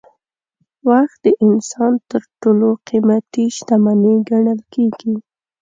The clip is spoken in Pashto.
وخت د انسان تر ټولو قیمتي شتمني ګڼل کېږي.